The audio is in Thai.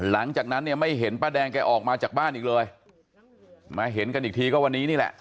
หลังจากนั้นเนี่ยไม่เห็นป้าแดงแกออกมาจากบ้านอีกเลยมาเห็นกันอีกทีก็วันนี้นี่แหละ